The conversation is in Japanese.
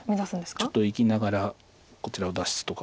ちょっと生きながらこちらを脱出とか。